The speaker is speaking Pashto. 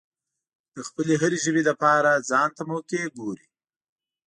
د خپلې هرې ژبې لپاره ځانته موقع ګوري.